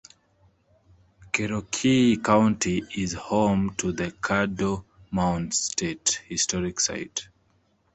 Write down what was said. Cherokee County is home to the Caddo Mounds State Historic Site.